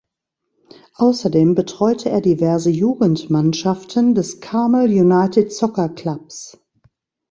Außerdem betreute er diverse Jugendmannschaften des Carmel United Soccer Clubs.